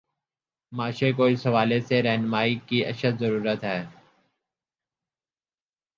معاشرے کو اس حوالے سے راہنمائی کی اشد ضرورت ہے۔